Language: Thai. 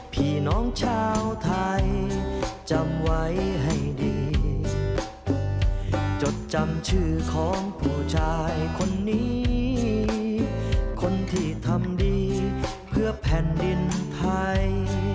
ผู้ชายคนนี้คนที่ทำดีเพื่อแผ่นดินไทย